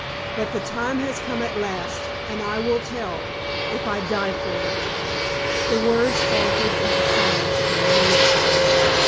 But the time has come at last, and I will tell, if I die for it!" The words faltered into silence upon her lips.